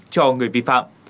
cho người vi phạm